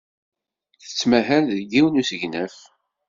Tettmahal deg yiwen n usegnaf.